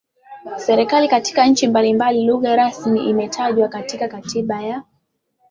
serikali Katika nchi mbalimbali lugha rasmi imetajwa katika katiba ya